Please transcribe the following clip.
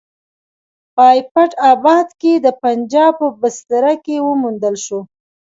په ایبټ اباد کې د پنجاب په بستره کې وموندل شوه.